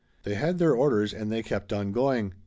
They had their orders and they kept on going.